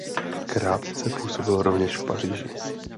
Krátce působil rovněž v Paříži.